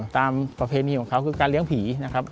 ประเพณีของเขาคือการเลี้ยงผีนะครับ